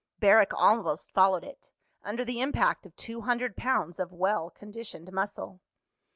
Barrack almost followed it, under the impact of two hundred pounds of well conditioned muscle.